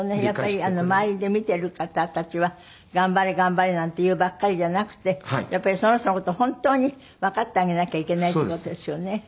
やっぱり周りで見てる方たちは頑張れ頑張れなんて言うばっかりじゃなくてやっぱりその人の事を本当にわかってあげなきゃいけないっていう事ですよね。